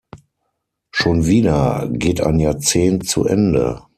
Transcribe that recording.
Schon wieder geht ein Jahrzehnt zu Ende.